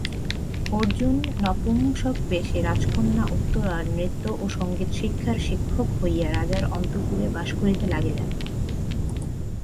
অর্জুন নপুংসকবেশে রাজকন্যা উত্তরার নৃত্য ও সঙ্গীতশিক্ষার শিক্ষক হইয়া রাজার অন্তঃপুরে বাস করিতে লাগিলেন।